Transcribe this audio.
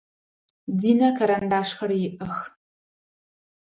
Динэ карандашхэр иӏэх.